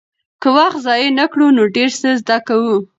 که وخت ضایع نه کړو نو ډېر څه زده کوو.